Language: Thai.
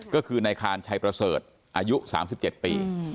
ก็คือนายคานชัยประเสริฐอายุ๓๗ปี